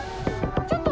⁉ちょっと。